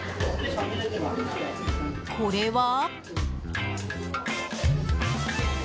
これは？